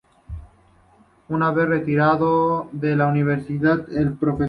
Una vez retirado de la Universidad, el Prof.